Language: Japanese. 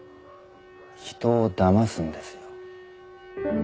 人をだますんですよ。